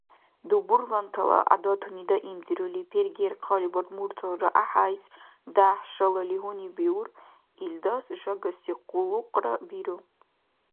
Дубурлантала гӀядатуни даимдирули, пергер хъалибарг мурталра гӀяхӀяйс дяхӀ шалали гьунибиур, илдас жагаси къуллукъра биру.